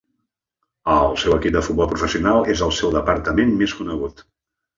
El seu equip de futbol professional és el seu departament més conegut.